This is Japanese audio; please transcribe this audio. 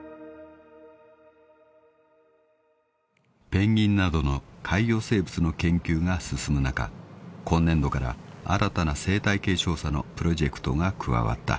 ［ペンギンなどの海洋生物の研究が進む中今年度から新たな生態系調査のプロジェクトが加わった］